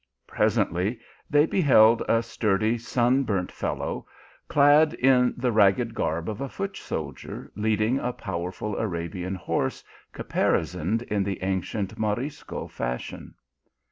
Presently they beheld a sturdy, sun burnt fellow clad in the ragged garb of a foot soldier, leading a powerful Arabian horse caparisoned in the ancient Morisco fashion.